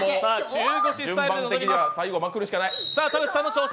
中腰スタイルで臨みます。